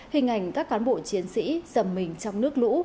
hình ảnh các cán bộ chiến sĩ dầm mình trong nước lũ